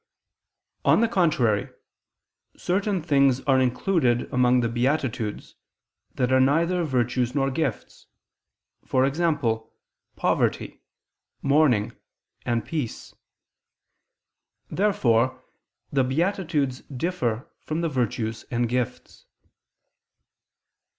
On the contrary, Certain things are included among the beatitudes, that are neither virtues nor gifts, e.g. poverty, mourning, and peace. Therefore the beatitudes differ from the virtues and gifts.